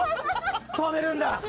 とめるんだ。